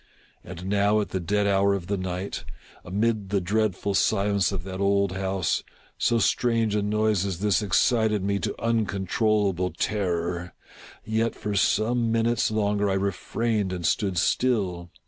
And now at the dead hour of the night, amid the dreadful silence of that old house, so strange a noise as this excited me to uncontrollable terror. Yet, for some minutes longer I refrained and stood still.